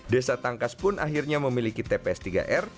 desa tangkas pun akhirnya memiliki tps tiga r